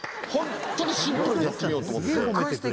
シンプルにやってみようと思って。